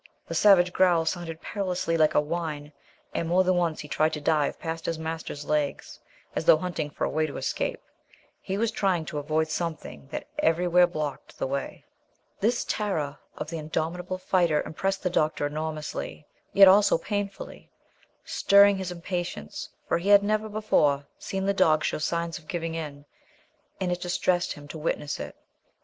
The savage growl sounded perilously like a whine, and more than once he tried to dive past his master's legs, as though hunting for a way of escape. He was trying to avoid something that everywhere blocked the way. This terror of the indomitable fighter impressed the doctor enormously; yet also painfully; stirring his impatience; for he had never before seen the dog show signs of giving in, and it distressed him to witness it.